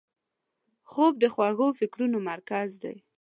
خوب د خوږو فکرونو مرکز دی